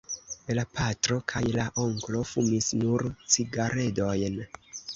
La patro kaj la onklo fumis nur cigaredojn.